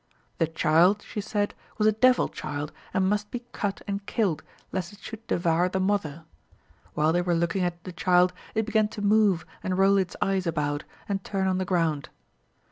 The child, she said, was a devil child, and must be cut and killed, lest it should devour the mother. While they were looking at the child, it began to move and roll its eyes about, and turn on the ground.